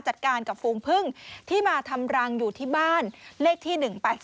จัดการกับฟูงพึ่งที่มาทำรังอยู่ที่บ้านเลขที่๑๘๘